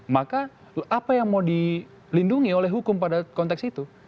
maka apa yang mau dilindungi oleh hukum pada konteks itu